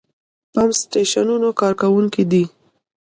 پمپ سټېشنونو کارکوونکي دي.